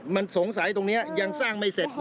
มันสงสัยตรงนี้ยังสร้างไม่เสร็จ